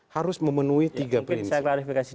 harus memenuhi tiga prinsip